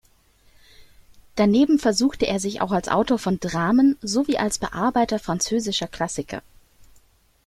Daneben versuchte er sich auch als Autor von Dramen sowie als Bearbeiter französischer Klassiker.